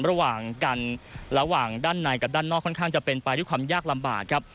ระหว่างกันระหว่างด้านในกับด้านนอกค่อนข้างจะเป็นไปด้วยความยากลำบากครับ